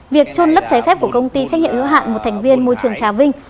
việc trôn lấp cháy phép của công ty trách nhiệm hữu hạn một thành viên môi trường trà vinh